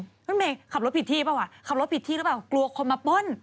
รถเมย์ขับรถผิดที่เปล่าว่ะขับรถผิดที่หรือเปล่ากลัวคนมาป้น